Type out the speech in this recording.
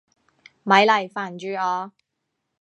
咪嚟煩住我！